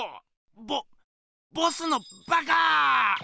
ボボスのバカー！